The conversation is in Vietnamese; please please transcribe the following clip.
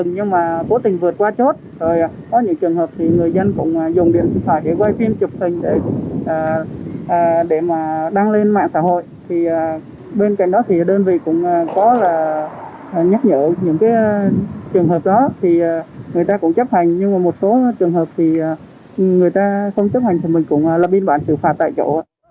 nhưng mà một số trường hợp thì người ta không chấp hành thì mình cũng là biên bản sự phạt tại chỗ